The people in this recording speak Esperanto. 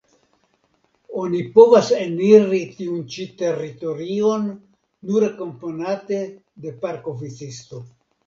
Oni povas eniri tiun ĉi teritorion nur akompanate de parkoficisto.